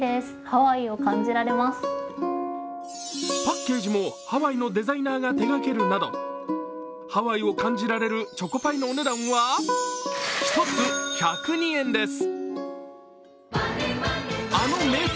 パッケージもハワイのデザイナーが手がけるなどハワイを感じられるチョコパイのお値段は１つ１０２円です。